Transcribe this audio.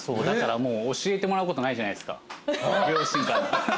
だからもう教えてもらうことないじゃないですか両親から。